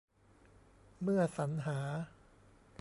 เมื่อสรรหา